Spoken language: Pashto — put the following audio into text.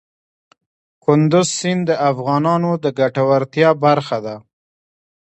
کندز سیند د افغانانو د ګټورتیا برخه ده.